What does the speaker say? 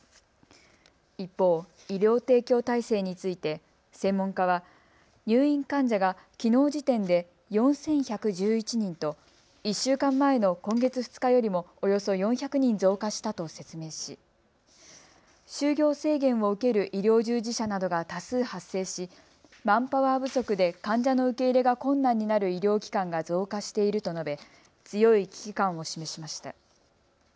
一方、医療提供体制について専門家は入院患者がきのう時点で、４１１１人と１週間前の今月２日よりもおよそ４００人増加したと説明し就業制限を受ける医療従事者などが多数発生しマンパワー不足で患者の受け入れが困難になる医療機関が増加していると述べ強い危機感を示しました。